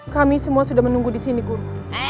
kami semua sudah menunggu disini guru